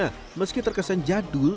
nah meski terkesan jadul